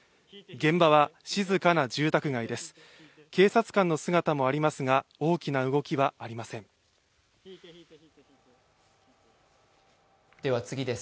現場は静かな住宅街です。